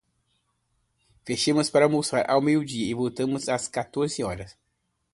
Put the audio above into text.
Fechamos para almoçar ao meio-dia e voltamos às quatorze horas.